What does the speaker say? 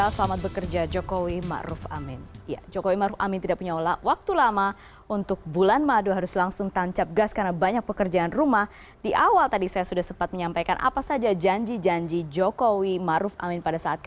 selamat bekerja jokowi maruf amin